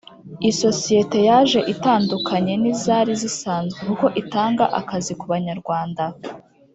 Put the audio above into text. Isosiyete yaje itandukanye nizari zisanzwe kuko itanga akazi kubanyarwanda